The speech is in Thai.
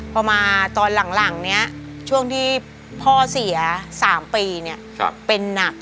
พอมาตอนหลังเนี่ยช่วงที่พ่อเสีย๓ปีเนี่ย